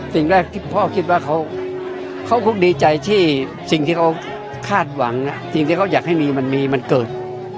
สิ่งแรกที่พ่อคิดว่าเขาคงดีใจที่สิ่งที่เขาคาดหวังสิ่งที่เขาอยากให้มีมันมีมันเกิด